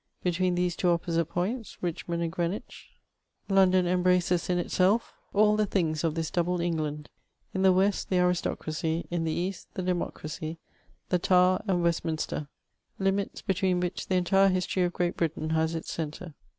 Between these two opposite points — Richmond and Greenwich — London embraces 436 MEMoms OF in itself all the things of this double England ; in the west the aristocracy, in the east the democracy, the Tower, and West minster — ^limits, between which the entire history of Great Britain has its centre.